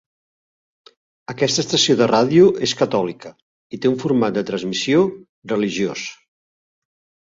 Aquesta estació de radio és catòlica i té un format de transmissió religiós.